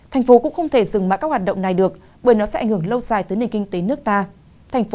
thành phố cũng không thể dừng mãi các hoạt động này được bởi nó sẽ ảnh hưởng lâu dài tới nền kinh tế nước ta